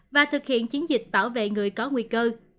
và thực hiện chiến dịch bảo vệ người có nguy cơ